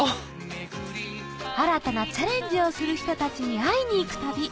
新たなチャレンジをする人たちに会いに行く旅